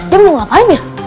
dia mau ngapain ya